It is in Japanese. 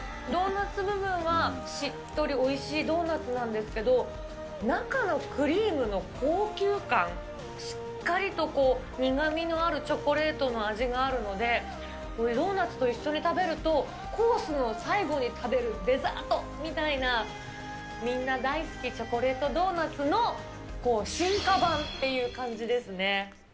ドーナツ部分はしっとりおいしいドーナツなんですけど、中のクリームの高級感、しっかりと苦みのあるチョコレートの味があるので、ドーナツと一緒に食べると、コースの最後に食べるデザートみたいな、みんな大好きチョコレートドーナツの進化版っていう感じですね。